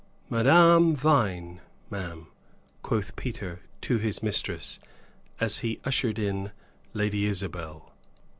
"Madame Vine, ma'am," quoth Peter to his mistress, as he ushered in Lady Isabel.